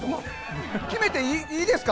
決めていいですか？